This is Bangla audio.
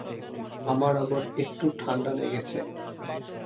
আমার আবার একটু ঠাণ্ডা লেগেছে।